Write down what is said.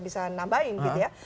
bisa nambahin gitu ya